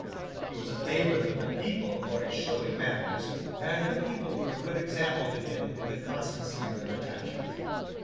He was a favourite with the people for his showy manners; and the people were a good example to him in the constancy of their attachment.